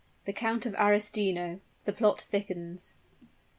THE COUNT OF ARESTINO THE PLOT THICKENS.